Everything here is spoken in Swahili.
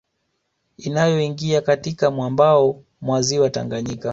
Inayoingia katika mwambao mwa Ziwa Tanganyika